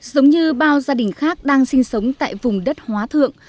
giống như bao gia đình khác đang sinh sống tại vùng đất hóa thượng